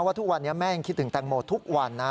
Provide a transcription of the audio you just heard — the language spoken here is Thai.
ทุกวันนี้แม่ยังคิดถึงแตงโมทุกวันนะ